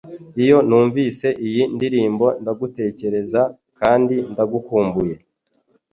Iyo numvise iyi ndirimbo, ndagutekereza, kandi ndagukumbuye